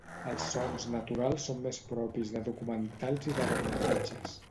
Els sons naturals són més propis de documentals i de reportatges.